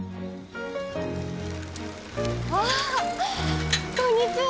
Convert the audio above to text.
あっこんにちは。